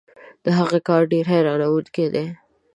د هغې کار ډېر حیرانوونکی دی.